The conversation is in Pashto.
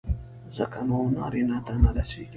ځکه نو نارينه ته نه رسېږي.